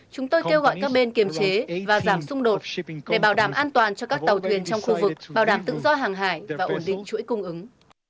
chúng tôi kêu gọi các bên kiềm chế và giảm xung đột để bảo đảm an toàn cho các tàu thuyền trong khu vực bảo đảm tự do hàng hải và ổn định chuỗi cung ứng